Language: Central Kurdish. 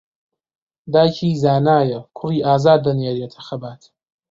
دایکی زانایە کوڕی ئازا دەنێرێتە خەبات